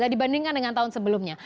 dibandingkan dengan tahun sebelumnya